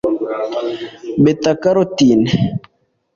Beta-carotine